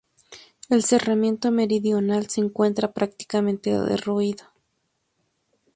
El cerramiento meridional se encuentra prácticamente derruido.